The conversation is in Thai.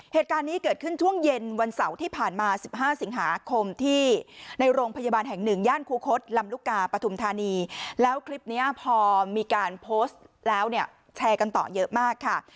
เหตุการณ์นี้เกิดขึ้นช่วงเย็นวันเสาร์ที่ผ่านมา๑๕สิงหาคมที่ในโรงพยาบาลแห่งหนึ่งย่านคูคศลำลูกกาปฐุมธานีแล้วคลิปนี้พอมีการโพสต์แล้วเนี่ยแชร์กันต่อเยอะมากค่ะ